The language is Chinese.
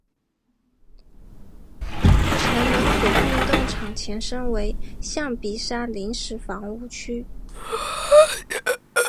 城门谷运动场前身为象鼻山临时房屋区。